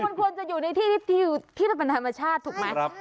มันควรจะอยู่ในที่ที่เป็นธรรมชาติถูกไหม